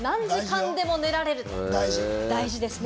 大事ですね。